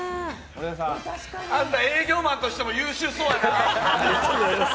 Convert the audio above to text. あんた、営業マンとしても優秀そうやな。